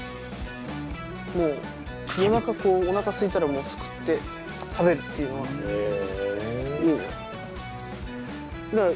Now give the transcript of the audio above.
もう夜中おなかすいたらすくって食べるっていうのがいい。